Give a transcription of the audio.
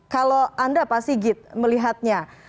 kalau anda pak sigit melihatnya